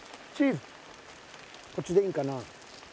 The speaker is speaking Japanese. こっちでいいんかな？